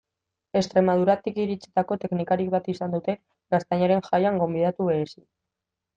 Extremaduratik iritsitako teknikari bat izan dute Gaztainaren Jaian gonbidatu berezi.